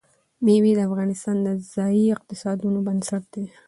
مېوې د افغانستان د ځایي اقتصادونو بنسټ دی.